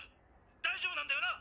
⁉大丈夫なんだよな